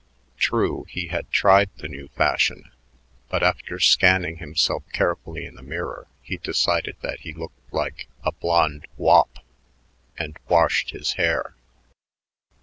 True, he had tried the new fashion, but after scanning himself carefully in the mirror, he decided that he looked like a "blond wop" and washed his hair.